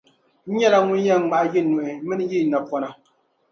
N nyɛla ŋun yɛn ŋmahi yi nuhi mini yi napɔna.